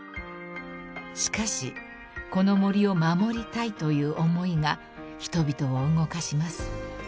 ［しかしこの森を守りたいという思いが人々を動かします］